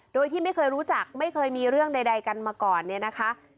โดยที่ไม่เคยรู้จักไม่เคยมีเรื่องใดกันมาก่อนเนี่ยนะคะ